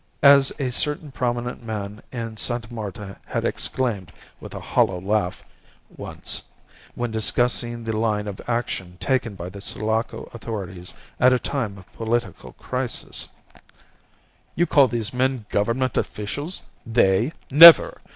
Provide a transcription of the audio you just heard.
As a certain prominent man in Sta. Marta had exclaimed with a hollow laugh, once, when discussing the line of action taken by the Sulaco authorities at a time of political crisis "You call these men Government officials? They? Never!